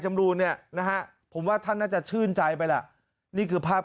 รูนเนี่ยนะฮะผมว่าท่านน่าจะชื่นใจไปล่ะนี่คือภาพ